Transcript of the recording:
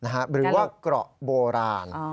หรือว่าเกราะโบราณ